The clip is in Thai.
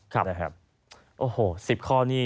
โอ้โห๑๐ข้อนี่